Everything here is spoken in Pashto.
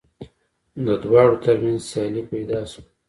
د دواړو تر منځ سیالي پیدا شوه